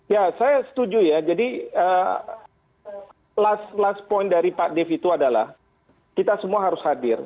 ya saya setuju ya jadi last point dari pak dev itu adalah kita semua harus hadir